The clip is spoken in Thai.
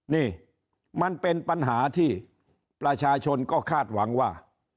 นี่มันเป็นปัญหาที่ประชาชนก็คาดหวังว่า